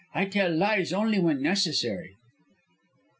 I tell lies only when necessary."